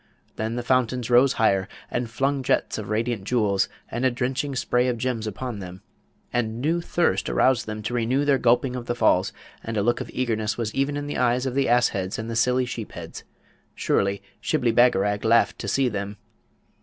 Then the fountains rose higher, and flung jets of radiant jewels, and a drenching spray of gems upon them, and new thirst aroused them to renew their gulping of the falls, and a look of eagerness was even in the eyes of the ass heads and the silly sheep heads; surely, Shibli Bagarag laughed to see them!